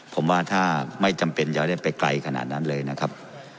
ผมว่าถ้าไม่จำเป็นจะได้ไปไกลขนาดนั้นเลยนะครับ